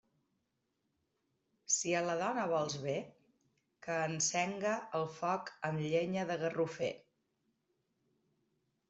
Si a la dona vols bé, que encenga el foc amb llenya de garrofer.